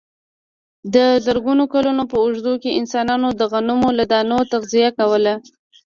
د زرګونو کلونو په اوږدو کې انسانانو د غنمو له دانو تغذیه کوله.